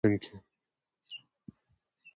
چې د ځان د جوړښت يا په متن کې